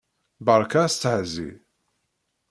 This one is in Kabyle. Berka astehzi!